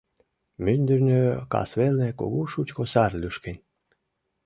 Мӱндырнӧ, касвелне, кугу шучко сар лӱшкен.